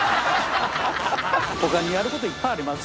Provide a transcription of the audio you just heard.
他にやる事いっぱいありますからね。